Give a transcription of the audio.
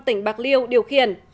tỉnh bạc liêu điều khiển